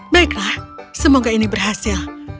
baiklah semoga ini berhasil